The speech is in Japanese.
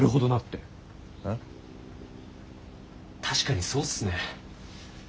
確かにそうっすね。